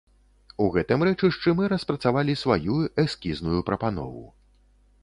У гэтым рэчышчы мы распрацавалі сваю эскізную прапанову.